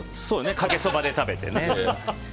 かけそばで食べてね。